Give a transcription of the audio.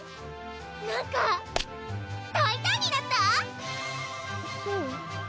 なんか大胆になった⁉そう？